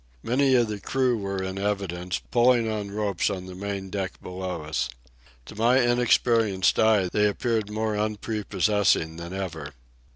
Many of the crew were in evidence, pulling on ropes on the main deck below us. To my inexperienced eye they appeared more unprepossessing than ever.